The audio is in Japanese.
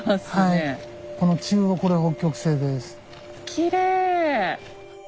きれい！